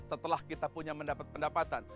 setelah kita punya mendapat pendapatan